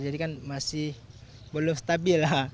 jadi kan masih belum stabil lah